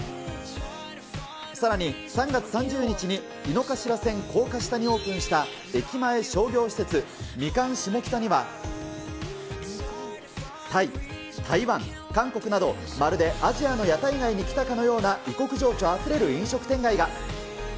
さらに３月３０日に井の頭線高架下にオープンした駅前商業施設、ミカン下北には、タイ、台湾、韓国など、まるでアジアの屋台街に来たかのような異国情緒あふれる飲食店街が。